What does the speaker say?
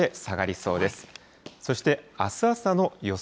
そして、あす朝の予想